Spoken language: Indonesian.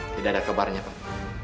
tidak ada kabarnya pak